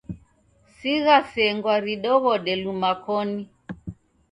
Sigha sengwa ridighode luma koni.